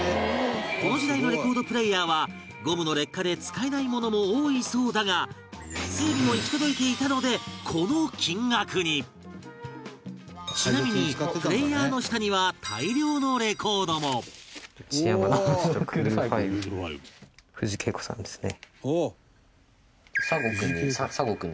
この時代のレコードプレーヤーはゴムの劣化で使えないものも多いそうだが整備も行き届いていたのでこの金額にちなみに、プレーヤーの下には大量のレコードも隆貴君：好きだよね。